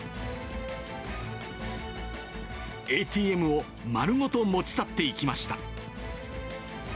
ＡＴＭを丸ごと持ち去っていきました。